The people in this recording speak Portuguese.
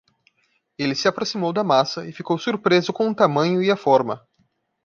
Ele se aproximou da massa e ficou surpreso com o tamanho e a forma.